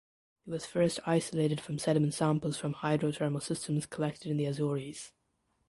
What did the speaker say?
It was first isolated from sediment samples from hydrothermal systems collected in the Azores.